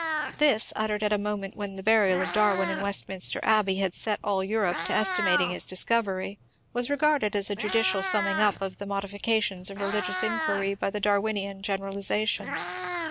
This, uttered at a moment when the burial of Darwin in Westminster Abbey had set all Europe to estimating his discovery, was regarded as a judicial sum ming up of the modifications of religious inquiry by the Dar winian generalization.